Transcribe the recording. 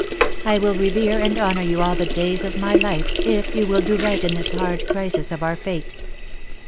I will revere and honour you all the days of my life, if you will do right in this hard crisis of our fate.